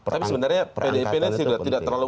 tapi sebenarnya pdip ini tidak terlalu